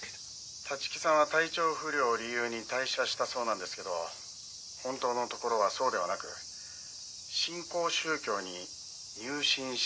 「立木さんは体調不良を理由に退社したそうなんですけど本当のところはそうではなく新興宗教に入信したという噂があったらしいんです」